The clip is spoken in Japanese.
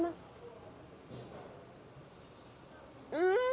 うん！